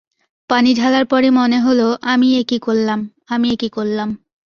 পানি ঢালার পরই মনে হল আমি এ কী করলাম, আমি এ কী করলাম!